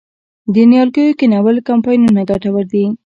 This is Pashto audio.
د نیالګیو کینول کمپاینونه ګټور دي؟